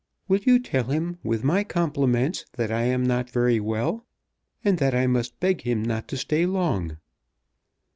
"Will you tell him with my compliments that I am not very well, and that I must beg him not to stay long."